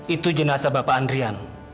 itu jenazah bapak andrian